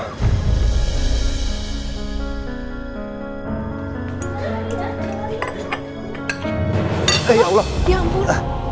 oh ya ampun